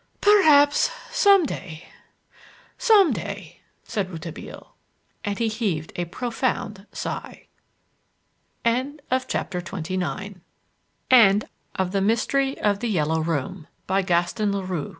"Perhaps some day; some day," said Rouletabille. And he heaved a profound sigh. End of Project Gutenberg's The Mystery of the "Yellow Room", by Gaston Leroux END O